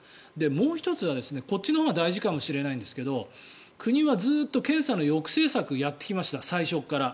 もう１つは、こっちのほうが大事かもしれないんですが国はずっと検査の抑制策をやってきました最初から。